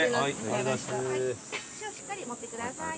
串をしっかり持ってください。